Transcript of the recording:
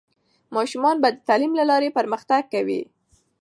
ماشومان به د تعلیم له لارې پرمختګ کوي.